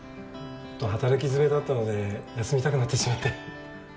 働き詰めだったので休みたくなってしまって。